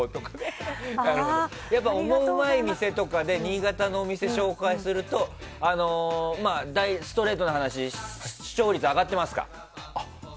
やっぱり「オモウマい店」とかで新潟のお店を紹介するとストレートな話視聴率は上がってますか？